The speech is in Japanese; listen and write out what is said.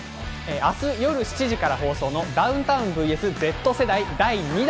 明日夜７時から放送の『ダウンタウンｖｓＺ世代』第２弾。